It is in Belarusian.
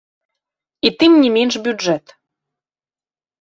І тым не менш бюджэт.